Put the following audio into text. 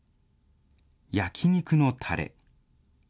焼き肉のたれ。